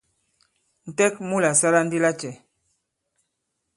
Ǹtɛk mu la sala ndi lacɛ ?